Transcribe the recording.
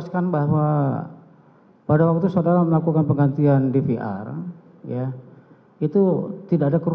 saya akan mencoba untuk mencoba